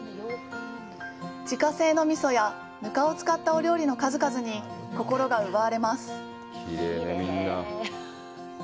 自家製の味噌や糠を使ったお料理の数々に心を奪われます！